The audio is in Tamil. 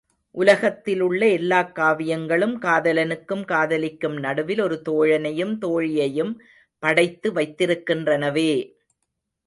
உலகத்திலுள்ள எல்லாக் காவியங்களும் காதலனுக்கும் காதலிக்கும் நடுவில் ஒரு தோழனையும் தோழியையும் படைத்து வைத்திருக்கின்றனவே!